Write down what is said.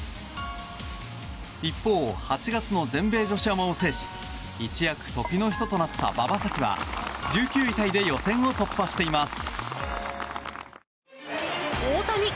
一方、８月の全米女子アマを制し一躍時の人ととなった馬場咲希は１９位タイで予選を突破しています。